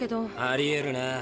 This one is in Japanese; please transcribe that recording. ありえるな。